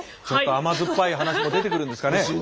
ちょっと甘酸っぱい話も出てくるんですかね。